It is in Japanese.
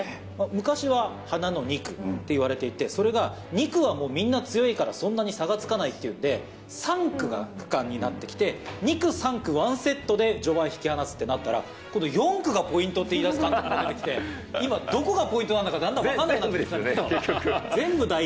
昔は花の２区っていわれていて、それが２区はもうみんな強いからそんなに差がつかないっていうんで、３区が区間になってきて、２区、３区ワンセットで序盤引き離すってなったら、今度４区がポイントって言いだす監督出てきて、今、どこがポイントなのか、だんだん分からなくなってきて。